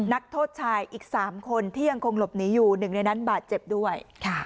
นักโทษชายอีก๓คนที่ยังคงหลบหนีอยู่หนึ่งในนั้นบาดเจ็บด้วย